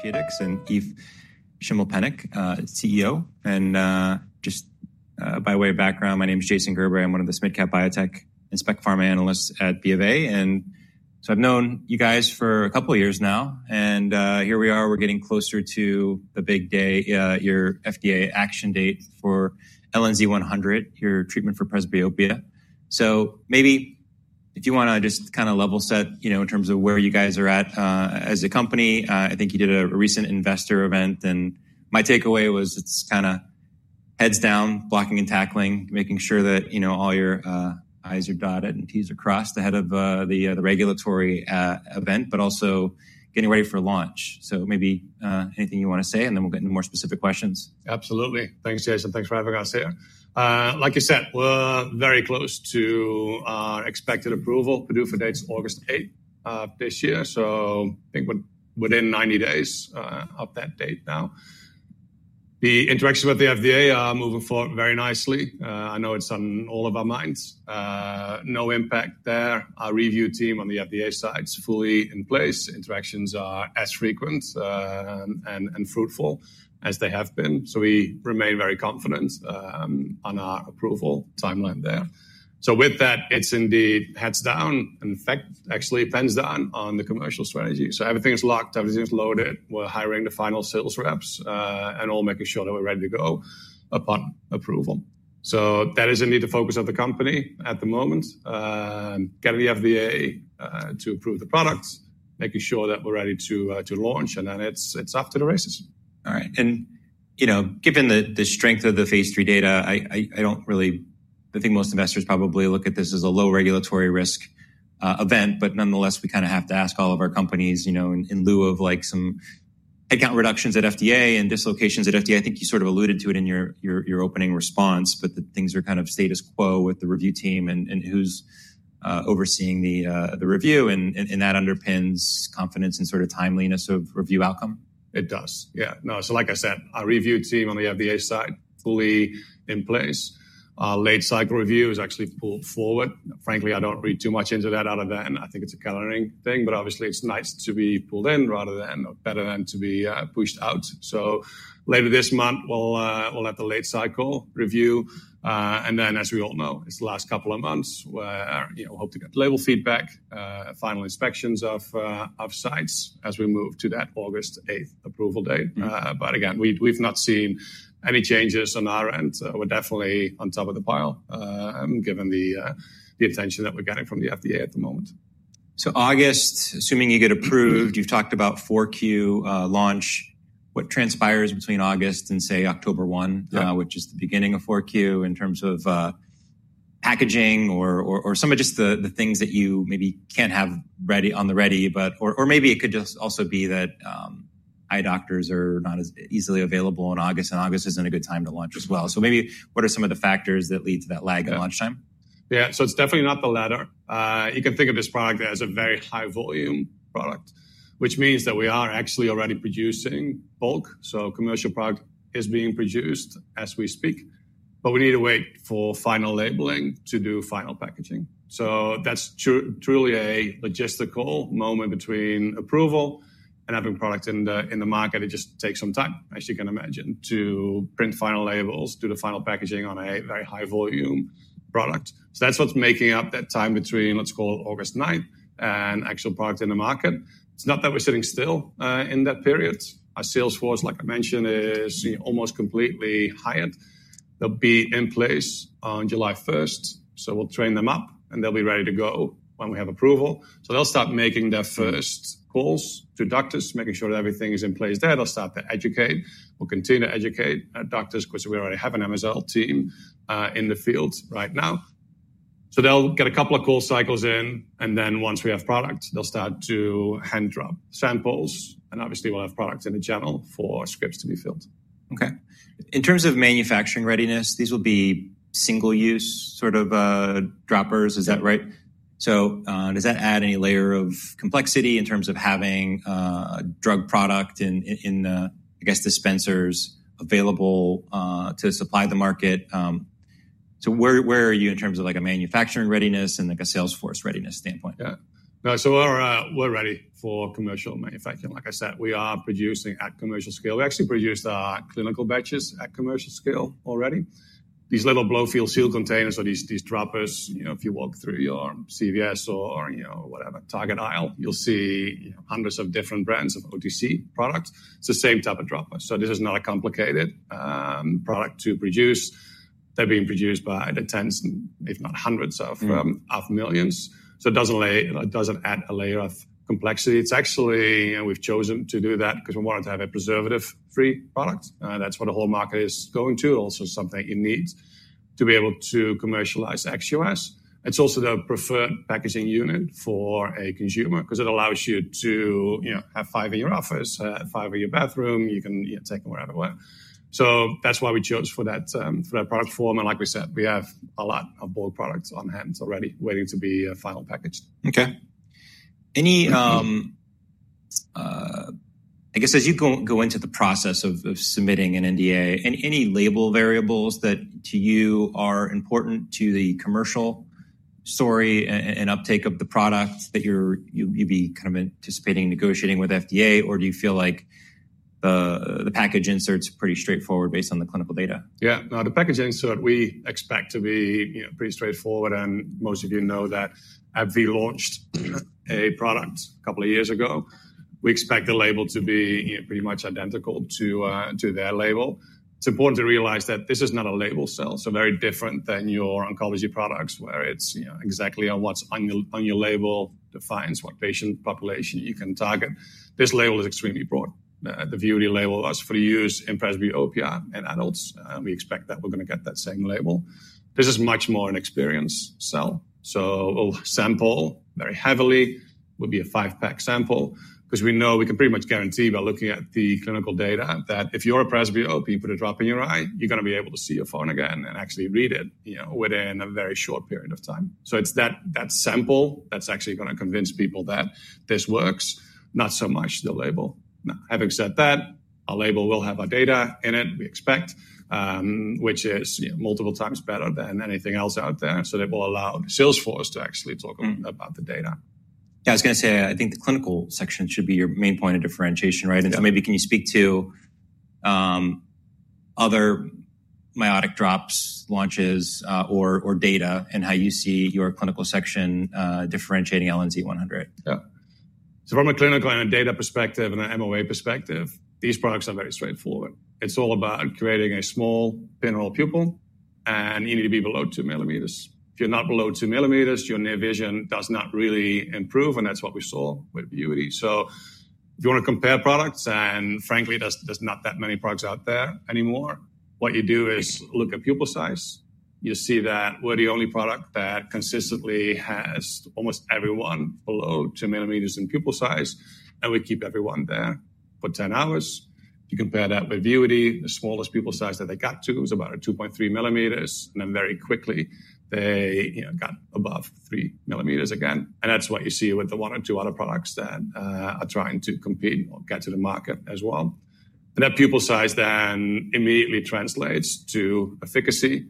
Therapeutics and Eef Schimmelpennink, CEO. Just by way of background, my name is Jason Gerber. I'm one of the Smidcap Biotech Inspect Pharma analysts at BofA. I've known you guys for a couple of years now. Here we are, we're getting closer to the big day, your FDA action date for LNZ100, your treatment for Presbyopia. Maybe if you want to just kind of level set, you know, in terms of where you guys are at as a company, I think you did a recent investor event. My takeaway was it's kind of heads down, blocking and tackling, making sure that, you know, all your I's are dotted and T's are crossed ahead of the regulatory event, but also getting ready for launch. Maybe anything you want to say, and then we'll get into more specific questions. Absolutely. Thanks, Jason. Thanks for having us here. Like you said, we're very close to our expected approval. PDUFA date is August 8 this year. I think we're within 90 days of that date now. The interactions with the FDA are moving forward very nicely. I know it's on all of our minds. No impact there. Our review team on the FDA side is fully in place. Interactions are as frequent and fruitful as they have been. We remain very confident on our approval timeline there. With that, it's indeed heads down and actually pens down on the commercial strategy. Everything is locked, everything is loaded. We're hiring the final sales reps and all making sure that we're ready to go upon approval. That is indeed the focus of the company at the moment. Getting the FDA to approve the products, making sure that we're ready to launch. It's off to the races. All right. And, you know, given the strength of the phase three data, I do not really think most investors probably look at this as a low regulatory risk event. But nonetheless, we kind of have to ask all of our companies, you know, in lieu of like some headcount reductions at FDA and dislocations at FDA. I think you sort of alluded to it in your opening response, but that things are kind of status quo with the review team and who is overseeing the review. And that underpins confidence and sort of timeliness of review outcome. It does. Yeah. No, like I said, our review team on the FDA side is fully in place. Our late cycle review is actually pulled forward. Frankly, I do not read too much into that other than I think it is a coloring thing, but obviously it is nice to be pulled in rather than better than to be pushed out. Later this month, we will let the late cycle review. As we all know, it is the last couple of months where we hope to get label feedback, final inspections of sites as we move to that August 8 approval date. Again, we have not seen any changes on our end. We are definitely on top of the pile given the attention that we are getting from the FDA at the moment. August, assuming you get approved, you've talked about 4Q launch. What transpires between August and say October 1, which is the beginning of 4Q in terms of packaging or some of just the things that you maybe can't have ready on the ready, or maybe it could just also be that eye doctors are not as easily available in August, and August isn't a good time to launch as well. Maybe what are some of the factors that lead to that lag in launch time? Yeah, so it's definitely not the latter. You can think of this product as a very high volume product, which means that we are actually already producing bulk. So commercial product is being produced as we speak, but we need to wait for final labeling to do final packaging. That's truly a logistical moment between approval and having product in the market. It just takes some time, as you can imagine, to print final labels, do the final packaging on a very high volume product. That's what's making up that time between, let's call it August 9, and actual product in the market. It's not that we're sitting still in that period. Our sales force, like I mentioned, is almost completely hired. They'll be in place on July 1. We'll train them up and they'll be ready to go when we have approval. They'll start making their first calls to doctors, making sure that everything is in place there. They'll start to educate. We'll continue to educate doctors because we already have an MSL team in the field right now. They'll get a couple of call cycles in, and then once we have product, they'll start to hand drop samples. Obviously, we'll have product in the channel for scripts to be filled. Okay. In terms of manufacturing readiness, these will be single use sort of droppers. Is that right? Does that add any layer of complexity in terms of having drug product in, I guess, dispensers available to supply the market? Where are you in terms of like a manufacturing readiness and like a sales force readiness standpoint? Yeah. No, so we're ready for commercial manufacturing. Like I said, we are producing at commercial scale. We actually produced our clinical batches at commercial scale already. These little blow-fill seal containers or these droppers, you know, if you walk through your CVS or whatever Target aisle, you'll see hundreds of different brands of OTC products. It's the same type of dropper. This is not a complicated product to produce. They're being produced by the tens, if not hundreds of millions. It does not add a layer of complexity. It's actually, and we've chosen to do that because we wanted to have a preservative-free product. That's what the whole market is going to. Also something you need to be able to commercialize ex U.S. It's also the preferred packaging unit for a consumer because it allows you to have five in your office, five in your bathroom. You can take them wherever you want. That is why we chose for that product form. Like we said, we have a lot of bulk products on hand already waiting to be final packaged. Okay. Any, I guess as you go into the process of submitting an NDA, any label variables that to you are important to the commercial story and uptake of the product that you'd be kind of anticipating negotiating with FDA, or do you feel like the package insert's pretty straightforward based on the clinical data? Yeah. No, the package insert we expect to be pretty straightforward. And most of you know that AbbVie launched a product a couple of years ago. We expect the label to be pretty much identical to their label. It's important to realize that this is not a label sell. So very different than your oncology products where it's exactly on what's on your label defines what patient population you can target. This label is extremely broad. The VUITY label was for the use in Presbyopia in adults. We expect that we're going to get that same label. This is much more an experience sell. So we'll sample very heavily. It will be a five-pack sample because we know we can pretty much guarantee by looking at the clinical data that if you're a Presbyopia, you put a drop in your eye, you're going to be able to see your phone again and actually read it within a very short period of time. It is that sample that's actually going to convince people that this works, not so much the label. Having said that, our label will have our data in it, we expect, which is multiple times better than anything else out there. That will allow the sales force to actually talk about the data. Yeah, I was going to say, I think the clinical section should be your main point of differentiation, right? Maybe can you speak to other Myotic drops, launches, or data and how you see your clinical section differentiating LNZ100? Yeah. From a clinical and a data perspective and an MOA perspective, these products are very straightforward. It's all about creating a small Pinhole pupil and you need to be below 2 mm. If you're not below 2 mm, your near vision does not really improve. That's what we saw with VUITY. If you want to compare products, and frankly, there's not that many products out there anymore, what you do is look at pupil size. You see that we're the only product that consistently has almost everyone below 2 mm in pupil size. We keep everyone there for 10 hours. You compare that with VUITY, the smallest pupil size that they got to was about 2.3 mm. Very quickly, they got above 3 mm again. That is what you see with the one or two other products that are trying to compete or get to the market as well. That pupil size then imMediately translates to efficacy.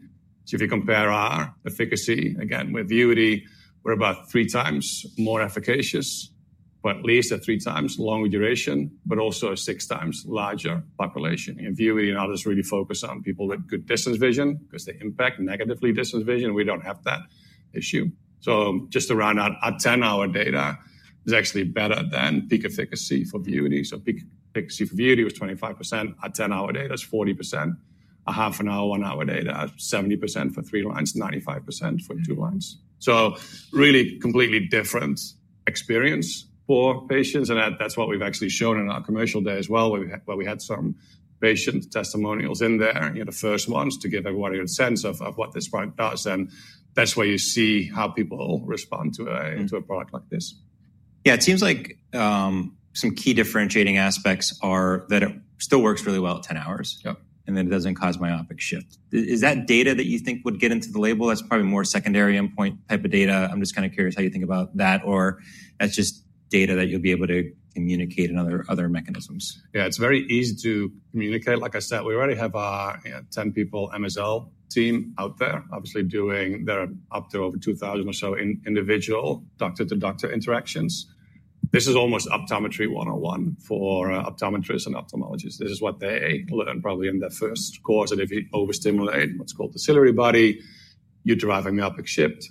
If you compare our efficacy again with VUITY, we are about three times more efficacious, at least at three times longer duration, but also six times larger population. VUITY and others really focus on people with good distance vision because they impact negatively distance vision. We do not have that issue. Just to round out, our 10-hour data is actually better than peak efficacy for VUITY. Peak efficacy for VUITY was 25%. Our 10-hour data is 40%. Our half an hour, one hour data is 70% for three lines, 95% for two lines. Really completely different experience for patients. That is what we have actually shown in our commercial day as well, where we had some patient testimonials in there, the first ones to give everybody a sense of what this product does. That is where you see how people respond to a product like this. Yeah, it seems like some key differentiating aspects are that it still works really well at 10 hours. Yep. It doesn't cause myopic shift. Is that data that you think would get into the label? That's probably more secondary endpoint type of data. I'm just kind of curious how you think about that, or that's just data that you'll be able to communicate in other mechanisms. Yeah, it's very easy to communicate. Like I said, we already have a 10 people MSL team out there, obviously doing their up to over 2,000 or so individual doctor-to-doctor interactions. This is almost optometry 101 for optometrists and ophthalmologists. This is what they learn probably in their first course. If you overstimulate what's called the Ciliary body, you're driving Myopic shift,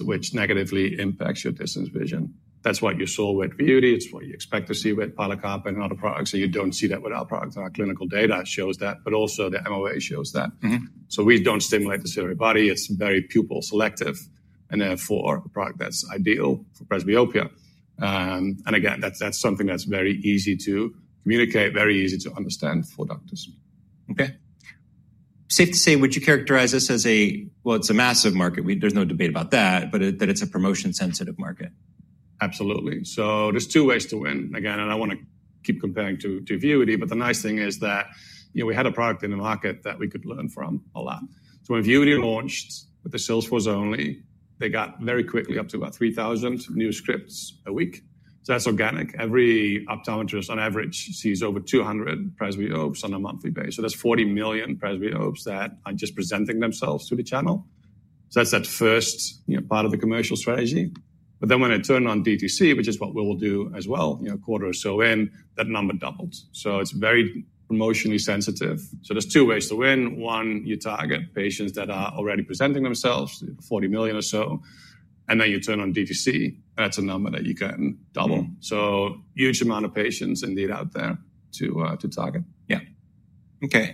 which negatively impacts your distance vision. That's what you saw with VUITY. It's what you expect to see with Pilocarpine and other products. You don't see that with our products. Our clinical data shows that, but also the MOA shows that. We don't stimulate the Ciliary body. It's very pupil selective. Therefore, a product that's ideal for Presbyopia. Again, that's something that's very easy to communicate, very easy to understand for doctors. Okay. Safe to say, would you characterize this as a, well, it's a massive market. There's no debate about that, but that it's a promotion-sensitive market? Absolutely. There are two ways to win. Again, and I want to keep comparing to VUITY, but the nice thing is that we had a product in the market that we could learn from a lot. When VUITY launched with the sales force only, they got very quickly up to about 3,000 new scripts a week. That is organic. Every optometrist on average sees over 200 presbyopes on a monthly basis. That is 40 million presbyopes that are just presenting themselves to the channel. That is that first part of the commercial strategy. When I turn on DTC, which is what we will do as well, a quarter or so in, that number doubled. It is very promotionally sensitive. There are two ways to win. One, you target patients that are already presenting themselves, 40 million or so. You turn on DTC, and that's a number that you can double. Huge amount of patients indeed out there to target. Yeah. Okay.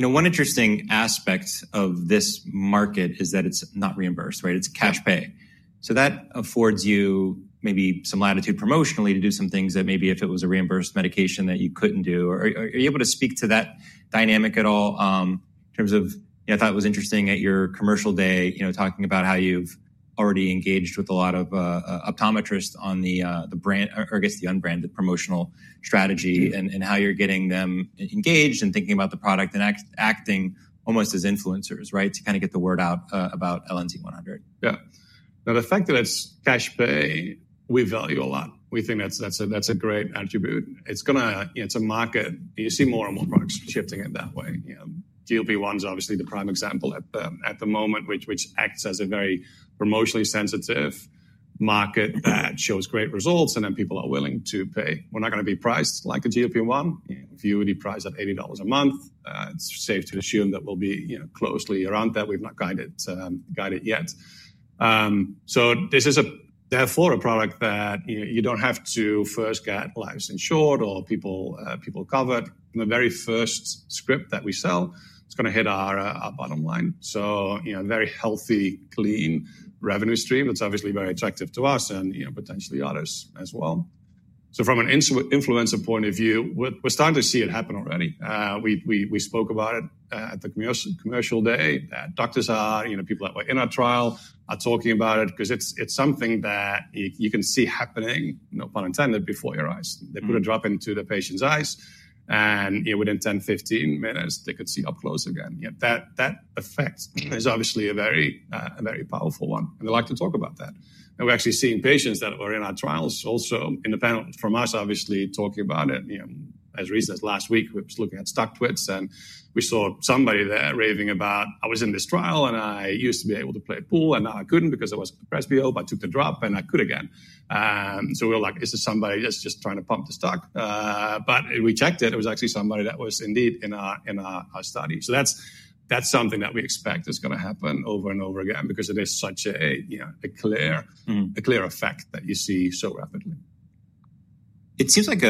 One interesting aspect of this market is that it's not reimbursed, right? It's cash pay. That affords you maybe some latitude promotionally to do some things that maybe if it was a reimbursed Medication you couldn't do. Are you able to speak to that dynamic at all in terms of, I thought it was interesting at your commercial day, talking about how you've already engaged with a lot of optometrists on the brand, or I guess the unbranded promotional strategy and how you're getting them engaged and thinking about the product and acting almost as influencers, right, to kind of get the word out about LNZ100. Yeah. Now, the fact that it's cash pay, we value a lot. We think that's a great attribute. It's going to, it's a market. You see more and more products shifting in that way. GLP-1 is obviously the prime example at the moment, which acts as a very promotionally sensitive market that shows great results and then people are willing to pay. We're not going to be priced like a GLP-1. VUITY priced at $80 a month. It's safe to assume that we'll be closely around that. We've not guided yet. This is therefore a product that you don't have to first get lives insured or people covered. The very first script that we sell, it's going to hit our bottom line. A very healthy, clean revenue stream that's obviously very attractive to us and potentially others as well. From an influencer point of view, we're starting to see it happen already. We spoke about it at the commercial day that doctors are, people that were in our trial are talking about it because it's something that you can see happening, no pun intended, before your eyes. They put a drop into the patient's eyes and within 10-15 minutes, they could see up close again. That effect is obviously a very powerful one. They like to talk about that. We're actually seeing patients that were in our trials also in the panel from us obviously talking about it. As recent as last week, we were just looking at StockTwits and we saw somebody there raving about, "I was in this trial and I used to be able to play pool and now I couldn't because I was a presbyope. I took the drop and I could again." We were like, "Is this somebody that's just trying to pump the stock?" We checked it. It was actually somebody that was indeed in our study. That is something that we expect is going to happen over and over again because it is such a clear effect that you see so rapidly. It seems like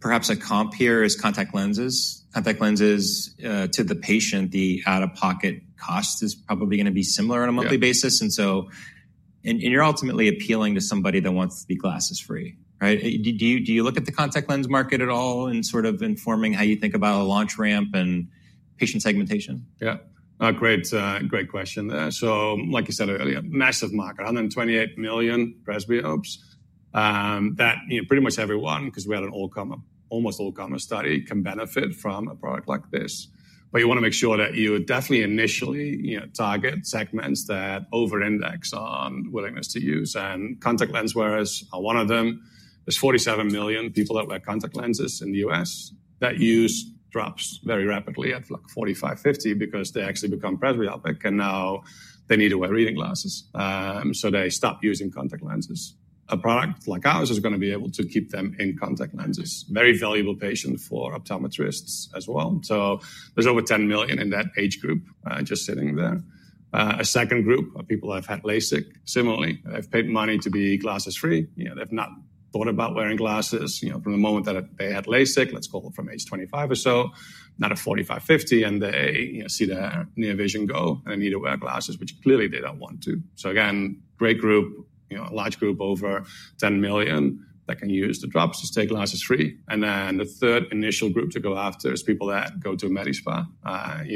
perhaps a comp here is contact lenses. Contact lenses to the patient, the out-of-pocket cost is probably going to be similar on a monthly basis. You are ultimately appealing to somebody that wants to be glasses-free, right? Do you look at the contact lens market at all in sort of informing how you think about a launch ramp and patient segmentation? Yeah. Great question there. Like I said earlier, massive market, 128 million presbyopes. That pretty much everyone, because we had an almost all-common study, can benefit from a product like this. You want to make sure that you definitely initially target segments that over-index on willingness to use. Contact lens wearers are one of them. There are 47 million people that wear contact lenses in the U.S. that use drops very rapidly at like 45, 50 because they actually become presbyopic and now they need to wear reading glasses. They stop using contact lenses. A product like ours is going to be able to keep them in contact lenses. Very valuable patient for optometrists as well. There are over 10 million in that age group just sitting there. A second group of people have had LASIK. Similarly, they have paid money to be glasses-free. They've not thought about wearing glasses from the moment that they had LASIK, let's call it from age 25 or so, not at 45, 50, and they see their near vision go and they need to wear glasses, which clearly they don't want to. Again, great group, large group over 10 million that can use the drops to stay glasses-free. The third initial group to go after is people that go to a Medi Spa.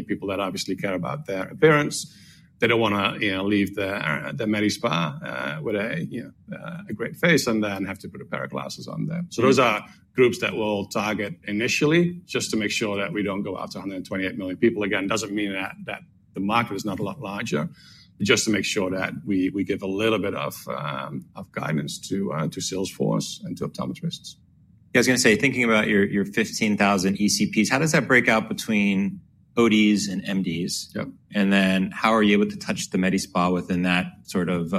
People that obviously care about their appearance. They don't want to leave the Medi Spa with a great face and then have to put a pair of glasses on them. Those are groups that we'll target initially just to make sure that we don't go out to 128 million people. Again, it doesn't mean that the market is not a lot larger, but just to make sure that we give a little bit of guidance to sales force and to optometrists. Yeah, I was going to say, thinking about your 15,000 ECPs, how does that break out between ODs and MDs? How are you able to touch the Medi Spa within that sort of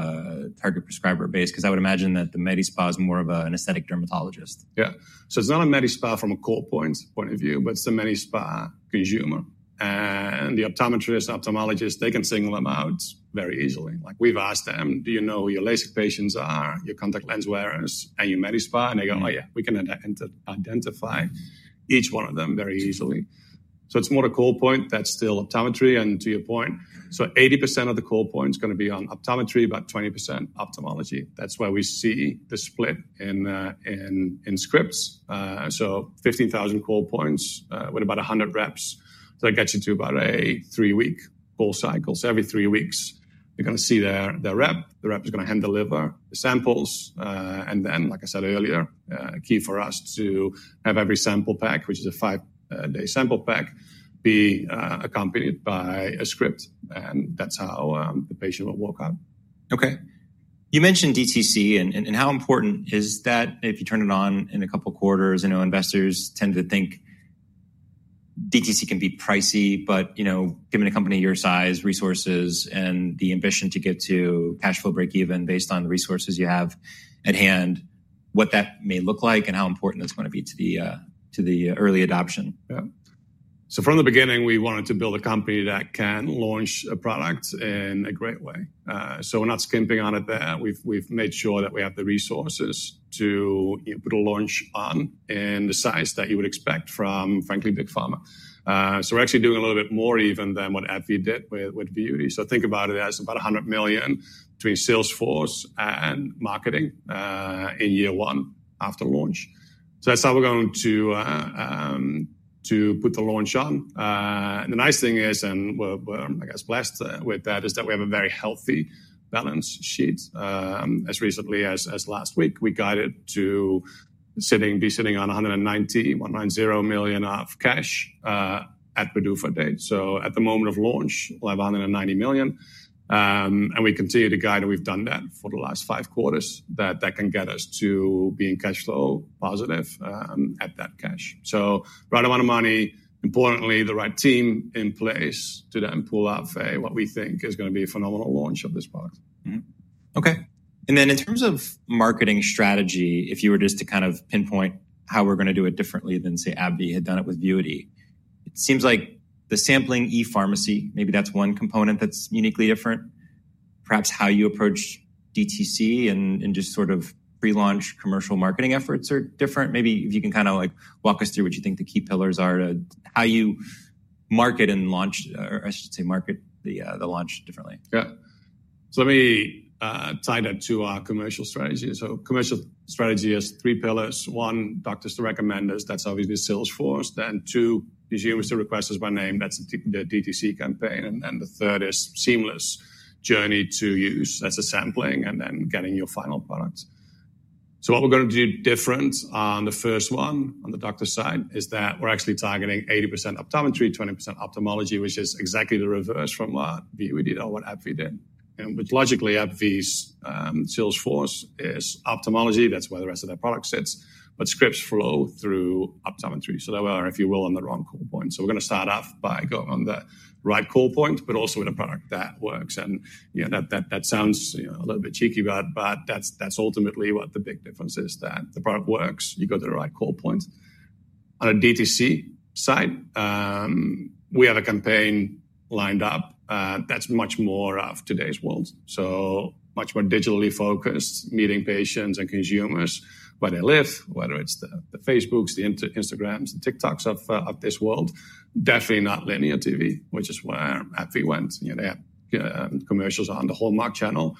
target prescriber base? I would imagine that the Medi Spa is more of an aesthetic dermatologist. Yeah. So it's not a Medi Spa from a core point of view, but it's a Medi Spa consumer. And the optometrist, ophthalmologist, they can single them out very easily. Like we've asked them, "Do you know who your LASIK patients are, your contact lens wearers, and your Medi Spa?" And they go, "Oh yeah, we can identify each one of them very easily." So it's more the core point that's still optometry. And to your point, 80% of the core point is going to be on optometry, about 20% ophthalmology. That's where we see the split in scripts. 15,000 core points with about 100 reps. That gets you to about a three-week core cycle. Every three weeks, you're going to see their rep. The rep is going to hand deliver the samples. Like I said earlier, key for us to have every sample pack, which is a five-day sample pack, be accompanied by a script. That's how the patient will walk up. Okay. You mentioned DTC and how important is that if you turn it on in a couple of quarters? Investors tend to think DTC can be pricey, but given a company your size, resources, and the ambition to get to cash flow breakeven based on the resources you have at hand, what that may look like and how important that's going to be to the early adoption. Yeah. From the beginning, we wanted to build a company that can launch a product in a great way. We're not skimping on it there. We've made sure that we have the resources to put a launch on in the size that you would expect from frankly Big Pharma. We're actually doing a little bit more even than what AbbVie did with VUITY. Think about it as about $100 million between sales force and marketing in year one after launch. That's how we're going to put the launch on. The nice thing is, and we're, I guess, blessed with that, is that we have a very healthy balance sheet. As recently as last week, we guided to be sitting on $190 million of cash at PDUFA date. At the moment of launch, we'll have $190 million. We continue to guide that we have done that for the last five quarters, that that can get us to being cash flow positive at that cash. So right amount of money, importantly, the right team in place to then pull off what we think is going to be a phenomenal launch of this product. Okay. In terms of marketing strategy, if you were just to kind of pinpoint how we're going to do it differently than, say, AbbVie had done it with VUITY, it seems like the sampling e-pharmacy, maybe that's one component that's uniquely different. Perhaps how you approach DTC and just sort of pre-launch commercial marketing efforts are different. Maybe if you can kind of walk us through what you think the key pillars are to how you market and launch, or I should say market the launch differently. Yeah. Let me tie that to our commercial strategy. Commercial strategy has three pillars. One, doctors to recommenders, that's obviously sales force. Two, consumers to request us by name, that's the DTC campaign. The third is seamless journey to use. That's the sampling and then getting your final product. What we're going to do different on the first one on the doctor side is that we're actually targeting 80% optometry, 20% ophthalmology, which is exactly the reverse from what VUITY did or what AbbVie did. Logically, AbbVie's sales force is ophthalmology. That's where the rest of their product sits. Scripts flow through optometry. They were, if you will, on the wrong core point. We're going to start off by going on the right core point, but also with a product that works. That sounds a little bit cheeky, but that's ultimately what the big difference is, that the product works, you go to the right core point. On a DTC side, we have a campaign lined up that's much more of today's world. Much more digitally focused, meeting patients and consumers where they live, whether it's the Facebooks, the Instagrams, the TikToks of this world. Definitely not linear TV, which is where AbbVie went. They have commercials on the Hallmark channel,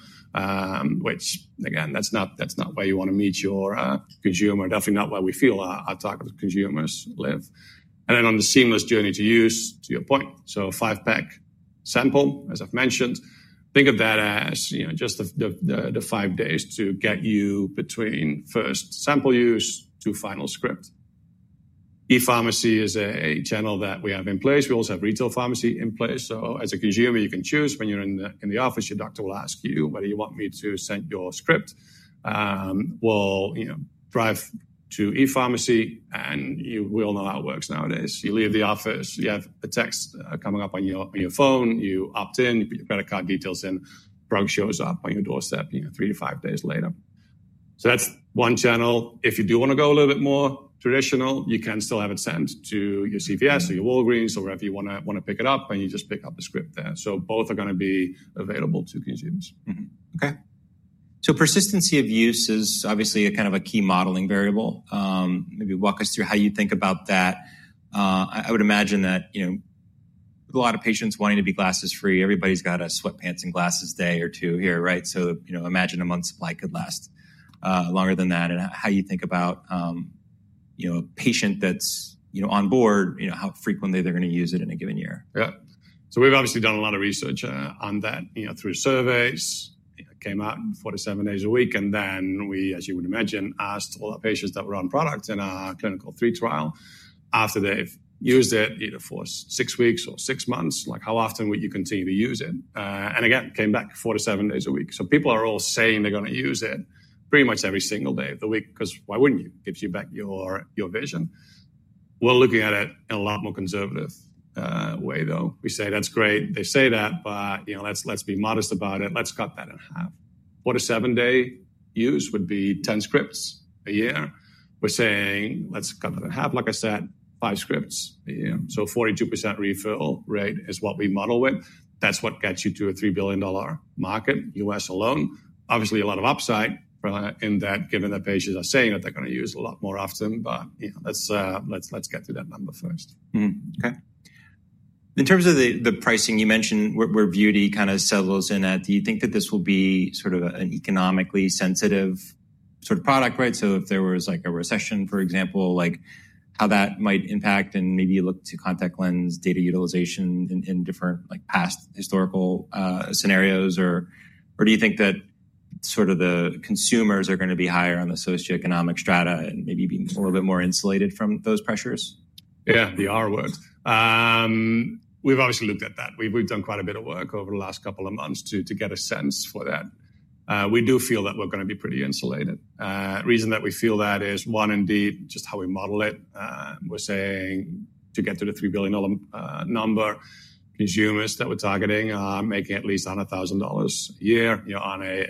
which again, that's not where you want to meet your consumer. Definitely not where we feel our target consumers live. On the seamless journey to use, to your point, five-pack sample, as I've mentioned, think of that as just the five days to get you between first sample use to final script. E-pharmacy is a channel that we have in place. We also have retail pharmacy in place. As a consumer, you can choose when you're in the office, your doctor will ask you, "Whether you want me to send your script," will drive to e-pharmacy, and we all know how it works nowadays. You leave the office, you have a text coming up on your phone, you opt in, you put your credit card details in, drug shows up on your doorstep three to five days later. That's one channel. If you do want to go a little bit more traditional, you can still have it sent to your CVS or your Walgreens or wherever you want to pick it up, and you just pick up the script there. Both are going to be available to consumers. Okay. Persistency of use is obviously a kind of a key modeling variable. Maybe walk us through how you think about that. I would imagine that with a lot of patients wanting to be glasses-free, everybody's got a sweatpants and glasses day or two here, right? I imagine a month's supply could last longer than that. How you think about a patient that's on board, how frequently they're going to use it in a given year. Yeah. So we've obviously done a lot of research on that through surveys. It came out in four to seven days a week. And then we, as you would imagine, asked all our patients that were on product in our clinical three trial. After they've used it for six weeks or six months, like how often would you continue to use it? And again, came back four to seven days a week. So people are all saying they're going to use it pretty much every single day of the week because why wouldn't you? It gives you back your vision. We're looking at it in a lot more conservative way, though. We say that's great. They say that, but let's be modest about it. Let's cut that in half. Four to seven day use would be 10 scripts a year. We're saying let's cut that in half. Like I said, five scripts a year. So 42% refill rate is what we model with. That's what gets you to a $3 billion market, U.S. alone. Obviously, a lot of upside in that given that patients are saying that they're going to use a lot more often, but let's get to that number first. Okay. In terms of the pricing, you mentioned where VUITY kind of settles in at. Do you think that this will be sort of an economically sensitive sort of product, right? If there was like a recession, for example, how that might impact and maybe look to contact lens data utilization in different past historical scenarios, or do you think that sort of the consumers are going to be higher on the socioeconomic strata and maybe be a little bit more insulated from those pressures? Yeah, they are would. We've obviously looked at that. We've done quite a bit of work over the last couple of months to get a sense for that. We do feel that we're going to be pretty insulated. The reason that we feel that is one, indeed, just how we model it. We're saying to get to the $3 billion number, consumers that we're targeting are making at least $100,000 a year.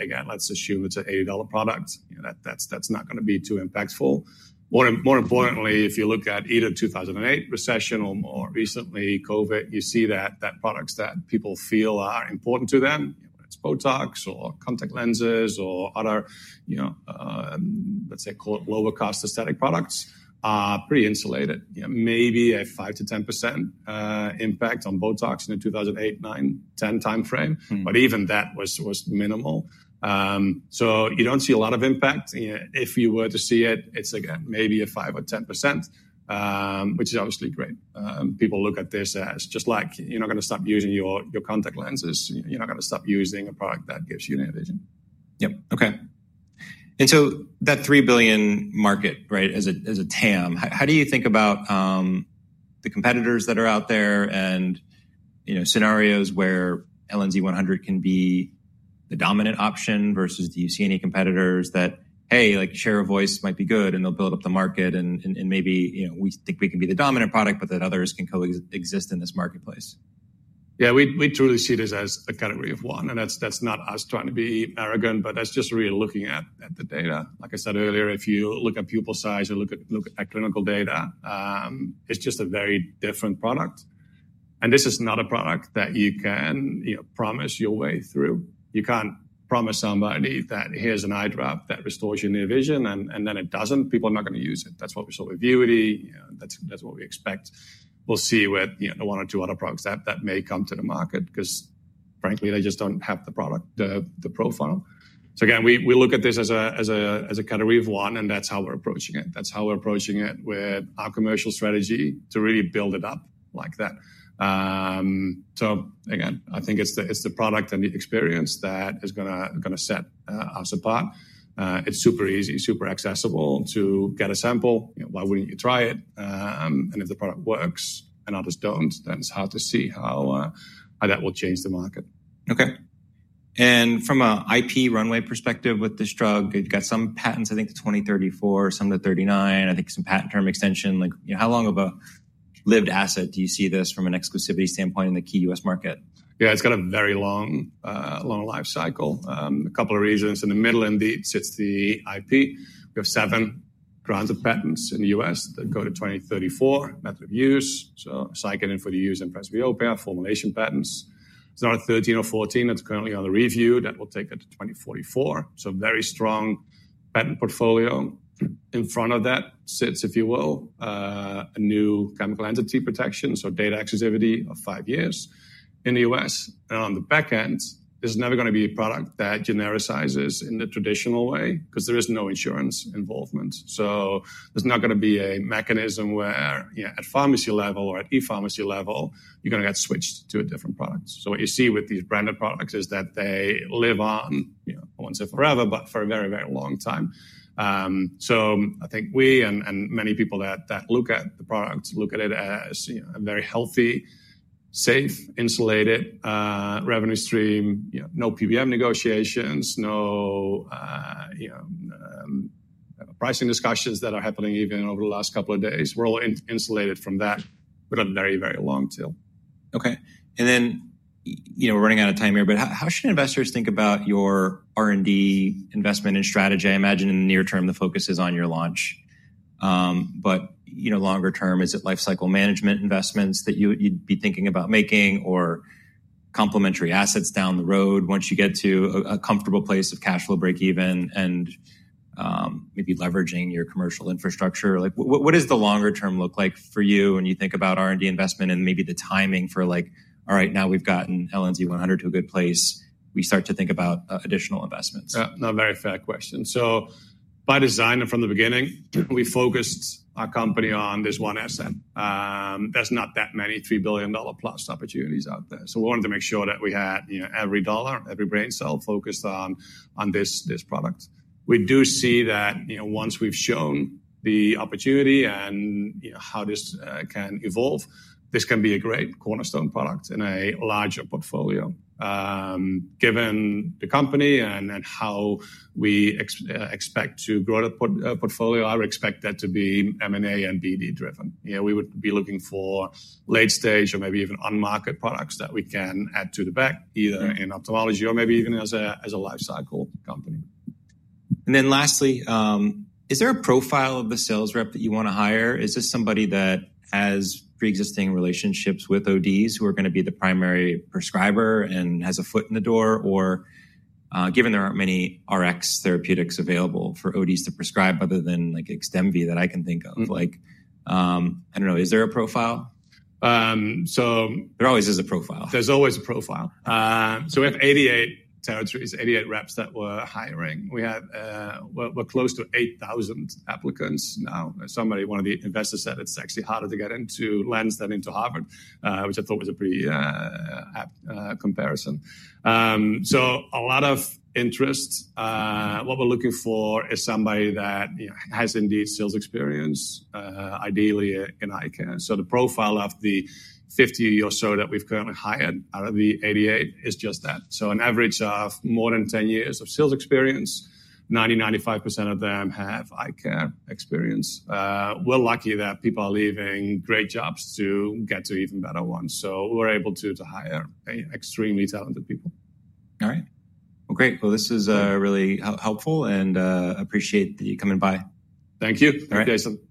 Again, let's assume it's an $80 product. That's not going to be too impactful. More importantly, if you look at either 2008 recession or more recently COVID, you see that products that people feel are important to them, whether it's Botox or contact lenses or other, let's say, lower-cost aesthetic products, are pretty insulated. Maybe a 5-10% impact on Botox in the 2008, 2009, 2010 timeframe, but even that was minimal. You do not see a lot of impact. If you were to see it, it is again, maybe a 5% or 10%, which is obviously great. People look at this as just like you are not going to stop using your contact lenses. You are not going to stop using a product that gives you near vision. Yep. Okay. And so that $3 billion market, right, as a TAM, how do you think about the competitors that are out there and scenarios where LNZ100 can be the dominant option versus do you see any competitors that, hey, like Share of Voice might be good and they'll build up the market and maybe we think we can be the dominant product, but that others can coexist in this marketplace? Yeah, we truly see this as a category of one. That is not us trying to be arrogant, but that is just really looking at the data. Like I said earlier, if you look at pupil size or look at clinical data, it is just a very different product. This is not a product that you can promise your way through. You cannot promise somebody that here is an eye drop that restores your near vision and then it does not. People are not going to use it. That is what we saw with VUITY. That is what we expect. We will see with one or two other products that may come to the market because frankly, they just do not have the product, the profile. Again, we look at this as a category of one and that is how we are approaching it. That's how we're approaching it with our commercial strategy to really build it up like that. I think it's the product and the experience that is going to set us apart. It's super easy, super accessible to get a sample. Why wouldn't you try it? If the product works and others don't, then it's hard to see how that will change the market. Okay. From an IP runway perspective with this drug, you've got some patents, I think to 2034, some to 2039, I think some patent term extension. How long of a lived asset do you see this from an exclusivity standpoint in the key U.S. market? Yeah, it's got a very long, long life cycle. A couple of regions in the middle, indeed, sits the IP. We have seven grants of patents in the U.S. that go to 2034, method of use. So a cycling for the use and Presbyopia formulation patents. There's now a 13 or 14 that's currently under review that will take it to 2044. So very strong patent portfolio. In front of that sits, if you will, a new chemical entity protection, so data exclusivity of five years in the U.S. On the back end, this is never going to be a product that genericizes in the traditional way because there is no insurance involvement. There's not going to be a mechanism where at pharmacy level or at e-pharmacy level, you're going to get switched to a different product. What you see with these branded products is that they live on, I won't say forever, but for a very, very long time. I think we and many people that look at the product look at it as a very healthy, safe, insulated revenue stream, no PBM negotiations, no pricing discussions that are happening even over the last couple of days. We're all insulated from that with a very, very long tail. Okay. We are running out of time here, but how should investors think about your R&D investment and strategy? I imagine in the near term the focus is on your launch, but longer term, is it life cycle management investments that you'd be thinking about making or complementary assets down the road once you get to a comfortable place of cash flow breakeven and maybe leveraging your commercial infrastructure? What does the longer term look like for you when you think about R&D investment and maybe the timing for like, all right, now we've gotten LNZ100 to a good place, we start to think about additional investments? Not a very fair question. By design and from the beginning, we focused our company on this one asset. There are not that many $3 billion-plus opportunities out there. We wanted to make sure that we had every dollar, every brain cell focused on this product. We do see that once we have shown the opportunity and how this can evolve, this can be a great cornerstone product in a larger portfolio. Given the company and how we expect to grow the portfolio, I would expect that to be M&A and BD driven. We would be looking for late-stage or maybe even on-market products that we can add to the back, either in ophthalmology or maybe even as a life cycle company. Lastly, is there a profile of the sales rep that you want to hire? Is this somebody that has pre-existing relationships with ODs who are going to be the primary prescriber and has a foot in the door? Given there aren't many RX therapeutics available for ODs to prescribe other than like Xdemvy that I can think of, I don't know, is there a profile? There always is a profile. There's always a profile. We have 88 territories, 88 reps that we're hiring. We're close to 8,000 applicants now. Somebody, one of the investors, said it's actually harder to get into LENZ than into Harvard, which I thought was a pretty apt comparison. A lot of interest. What we're looking for is somebody that has indeed sales experience, ideally in eye care. The profile of the 50 or so that we've currently hired out of the 88 is just that. An average of more than 10 years of sales experience, 90-95% of them have eye care experience. We're lucky that people are leaving great jobs to get to even better ones. We're able to hire extremely talented people. All right. Great. This is really helpful and appreciate that you're coming by. Thank you. All right.